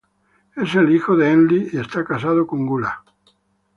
Es el hijo de Enlil y está casado con Gula.